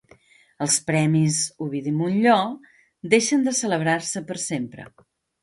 Els Premis Ovidi Montllor deixen de celebrar-se per sempre